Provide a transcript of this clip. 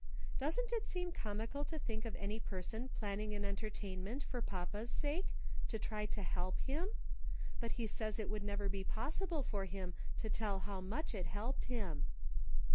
Doesn't it seem comical to think of any person planning an entertainment for papa's sake — to try to help him ? But he says it would never be possible for him to tell how much it helped him."